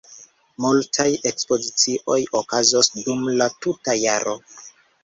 Multaj ekspozicioj okazos dum la tuta jaro.